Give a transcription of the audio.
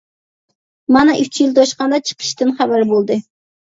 مانا ئۈچ يىل توشقاندا چىقىشتىن خەۋەر بولدى.